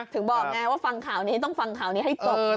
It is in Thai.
ถึงบอกไงว่าฟังข่าวนี้ต้องฟังข่าวนี้ให้จบ